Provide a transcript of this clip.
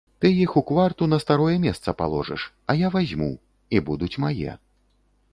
Ты іх у кварту на старое месца паложыш, а я вазьму, і будуць мае.